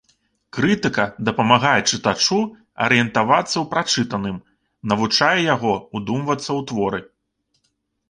Крытыка дапамагае чытачу арыентавацца ў прачытаным, навучае яго ўдумвацца ў творы.